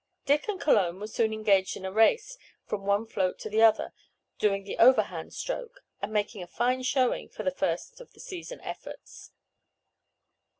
Dick and Cologne were soon engaged in a race, from one float to the other, doing the overhand stroke, and making a fine showing for the first of the season efforts.